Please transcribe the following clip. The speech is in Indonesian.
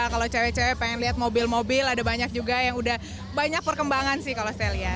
kalau cewek cewek pengen lihat mobil mobil ada banyak juga yang udah banyak perkembangan sih kalau saya lihat